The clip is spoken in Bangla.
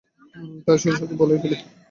তাই, সোজাসুজিই বলে ফেলি।